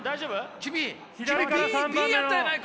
君Ｂやったやないか！